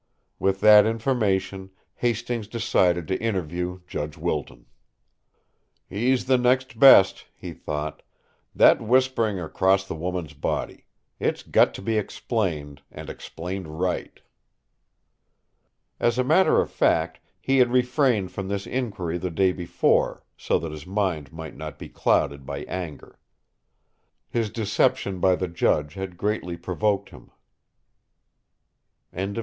With that information, Hastings decided to interview Judge Wilton. "He's the next best," he thought. "That whispering across the woman's body it's got to be explained, and explained right!" As a matter of fact, he had refrained from this inquiry the day before, so that his mind might not be clouded by anger. His deception by the judge had greatly provoked him. XIII MRS.